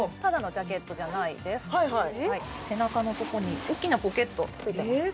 はいはい背中のとこにおっきなポケットついてますえ